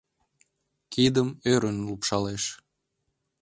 Кидым ӧрын лупшалеш